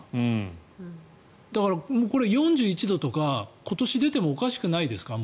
だから、これ４１度とか今年出てもおかしくないですか？